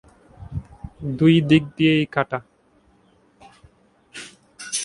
দুই দিক দিয়েই কাটে।